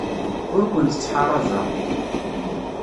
Ur kent-ttḥaṛabeɣ.